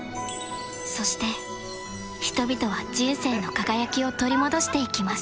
そして人々は人生の輝きを取り戻していきます